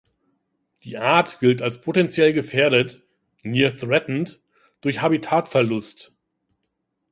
Die Art gilt als potentiell gefährdet ("Near Threatened") durch Habitatverlust.